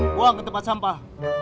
buang ke tempat sampah